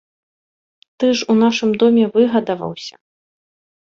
Ты ж у нашым доме выгадаваўся.